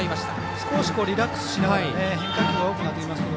少しリラックスしながら変化球が多くなってきました。